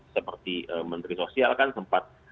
seperti menteri sosial kan sempat